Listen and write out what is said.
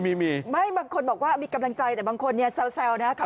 ไม่บางคนบอกว่ามีกำลังใจแต่บางคนแซวนะครับ